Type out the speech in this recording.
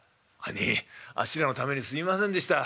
「兄ぃあっしらのためにすいませんでした。